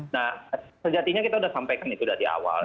nah sejatinya kita sudah sampaikan itu dari awal